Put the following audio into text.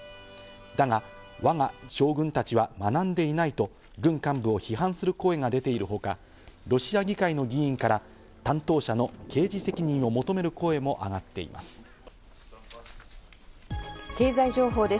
だが、我が将軍たちは学んでいないと軍幹部を批判する声が出ているほか、ロシア議会の議員から担当者の刑事責任を求める声も上がっていま経済情報です。